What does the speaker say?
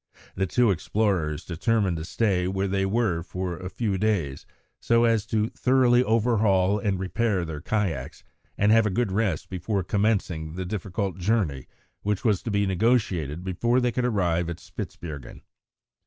The two explorers determined to stay where they were for a few days, so as to thoroughly overhaul and repair their kayaks, and have a good rest before commencing the difficult journey which was to be negotiated before they could arrive at Spitzbergen.